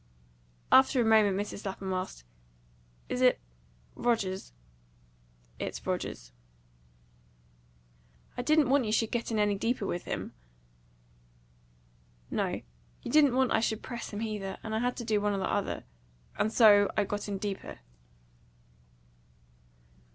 After a moment Mrs. Lapham asked, "Is it Rogers?" "It's Rogers." "I didn't want you should get in any deeper with him." "No. You didn't want I should press him either; and I had to do one or the other. And so I got in deeper."